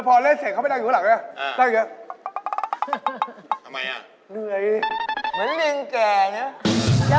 พอเล่นเสร็จเขาไม่ได้อยู่ข้างหลังเลย